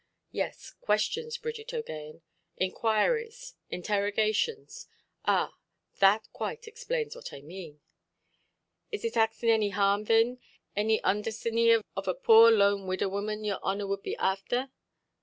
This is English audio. "Yes, questions, Bridget OʼGaghan. Inquiries, interrogations—ah! that quite explains what I mean". "Is it axing any harm, thin, any ondacency of a poor lone widder woman, your honour wud be afther"?